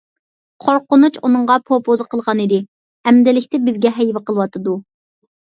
قورقۇنچ ئۇنىڭغا پوپوزا قىلغانىدى، ئەمدىلىكتە بىزگە ھەيۋە قىلىۋاتىدۇ.